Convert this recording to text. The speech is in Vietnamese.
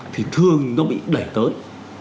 thì thường nó bị đẩy tới